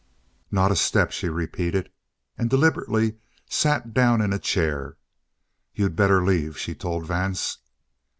"Not a step," she repeated, and deliberately sat down in a chair. "You'd better leave," she told Vance.